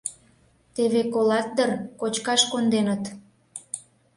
Теве колат дыр, кочкаш конденыт!